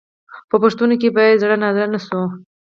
په پوښتنو کې باید زړه نازړه نه شو.